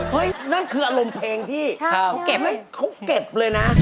เฮ้ยนั่นคืออารมณ์เพลงที่เขาเก็บเลยนะ